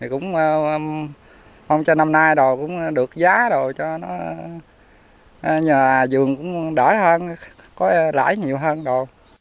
không cho năm nay đồ cũng được giá đồ cho nó nhà vườn cũng đỡ hơn có lãi nhiều hơn đồ